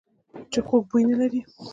چې خوږ بوی نه لري .